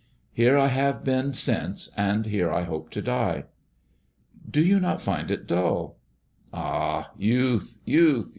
Here I have been since, and here I hope to die." " Do you not find it dull 1 "" Ah, youth ! youth